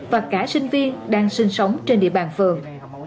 và cả sinh viên đang sinh sống trên địa bàn phường